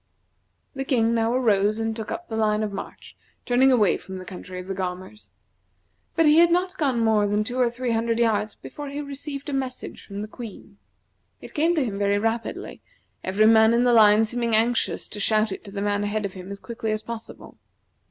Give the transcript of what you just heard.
The King now arose and took up the line of march, turning away from the country of the Gaumers. But he had not gone more than two or three hundred yards before he received a message from the Queen. It came to him very rapidly, every man in the line seeming anxious to shout it to the man ahead of him as quickly as possible.